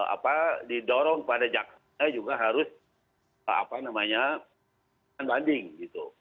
apa didorong pada jaksa juga harus apa namanya banding gitu